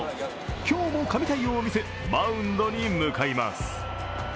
今日も神対応を見せマウンドに向かいます。